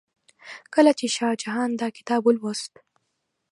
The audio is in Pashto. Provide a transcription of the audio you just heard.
کله چې شاه جهان دا کتاب ولوست.